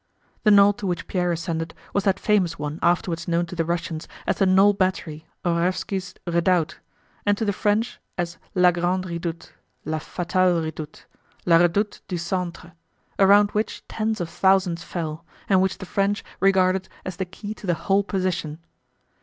The knoll to which Pierre ascended was that famous one afterwards known to the Russians as the Knoll Battery or Raévski's Redoubt, and to the French as la grande redoute, la fatale redoute, la redoute du centre, around which tens of thousands fell, and which the French regarded as the key to the whole position.